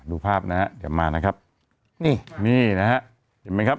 ดูภาพนะฮะเดี๋ยวมานะครับนี่นี่นะฮะเห็นไหมครับ